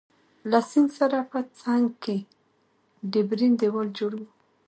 له سیند سره په څنګ کي ډبرین دیوال جوړ وو.